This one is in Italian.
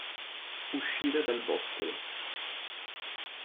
Uscire dal bozzolo.